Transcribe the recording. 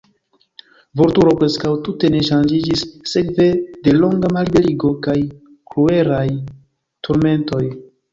Vulturo preskaŭ tute ne ŝanĝiĝis sekve de longa malliberigo kaj kruelaj turmentoj.